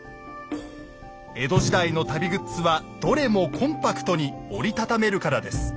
江戸時代の旅グッズはどれもコンパクトに折り畳めるからです。